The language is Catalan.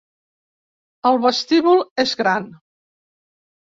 El vestíbul és gran.